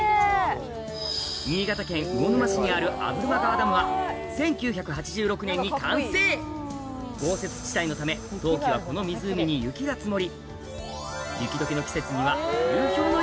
新潟県魚沼市にある破間川ダムは１９８６年に完成豪雪地帯のためそして旭君がすごい！